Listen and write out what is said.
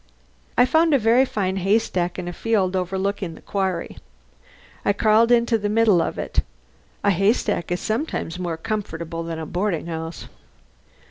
"I found a very fine haystack in a field overlooking the quarry. I crawled into the middle of it. A haystack is sometimes more comfortable than a boarding house."